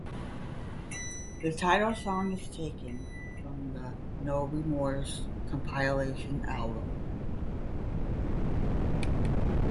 The title song is taken from the "No Remorse" compilation album.